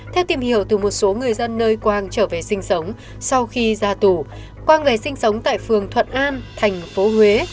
theo tìm hiểu từ một số người dân nơi quang trở về sinh sống sau khi ra tù quang về sinh sống tại phường thuận an thành phố huế